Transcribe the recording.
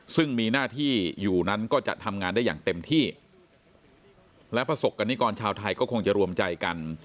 ซึ่งมีหน้าที่อยู่นั้นก็จะทำงานได้อย่างเต็มที่และประสบกรณิกรชาวไทยก็คงจะรวมใจกัน